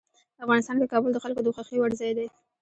افغانستان کې کابل د خلکو د خوښې وړ ځای دی.